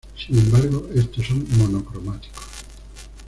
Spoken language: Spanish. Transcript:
Sin embargo, estos son monocromáticos.